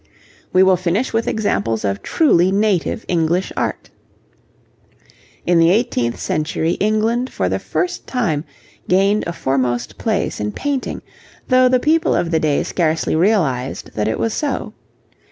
We will finish with examples of truly native English art. In the eighteenth century England for the first time gained a foremost place in painting, though the people of the day scarcely realized that it was so.